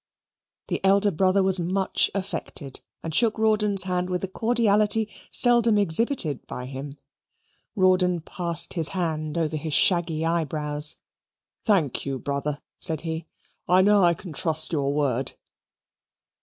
The elder brother was much affected, and shook Rawdon's hand with a cordiality seldom exhibited by him. Rawdon passed his hand over his shaggy eyebrows. "Thank you, brother," said he. "I know I can trust your word."